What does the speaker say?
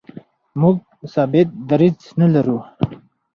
موږ ثابت دریځ نه لرو.